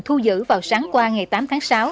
thu giữ vào sáng qua ngày tám tháng sáu